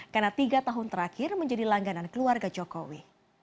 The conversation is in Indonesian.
karena tiga tahun terakhir menjadi langganan keluarga jokowi